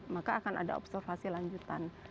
maka akan ada observasi lanjutan